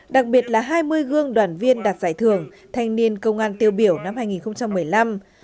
đặc biệt là hai mươi gương đoàn viên đạt giải thưởng thanh niên công an tiêu biểu năm hai nghìn một mươi năm